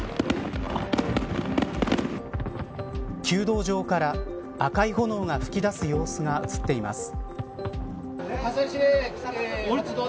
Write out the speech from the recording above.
弓道場から、赤い炎が噴き出す様子が映っています。